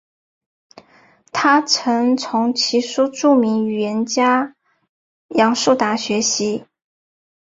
他曾从其叔著名语言学家杨树达学习。